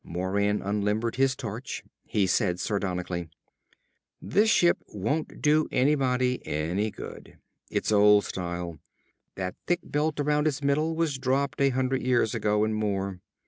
Moran unlimbered his torch. He said sardonically; "This ship won't do anybody any good. It's old style. That thick belt around its middle was dropped a hundred years ago, and more."